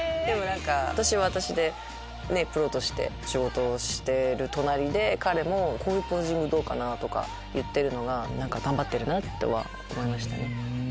私は私でプロとして仕事をしてる隣で彼も「こういうポージングどうかな？」とか言ってるのが頑張ってるなとは思いましたね。